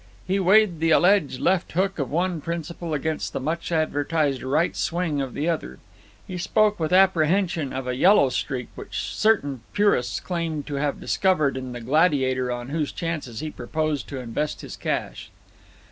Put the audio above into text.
He weighed the alleged left hook of one principal against the much advertised right swing of the other. He spoke with apprehension of a yellow streak which certain purists claimed to have discovered in the gladiator on whose chances he proposed to invest his cash.